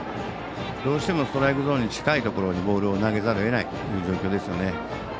どうしてもストライクゾーンに近いところにボールを投げざるをえないという状況ですよね。